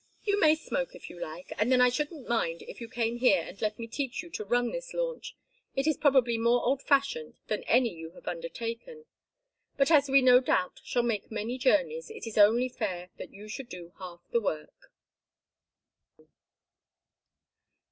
You may smoke, if you like, and then I shouldn't mind if you came here and let me teach you to run this launch it is probably more old fashioned than any you have undertaken. But as we no doubt shall make many journeys it is only fair that you should do half the work."